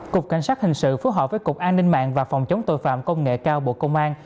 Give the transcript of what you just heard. cục cảnh sát hình sự phối hợp với cục an ninh mạng và phòng chống tội phạm công nghệ cao bộ công an